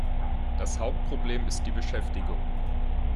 Das Hauptproblem ist die Beschäftigung.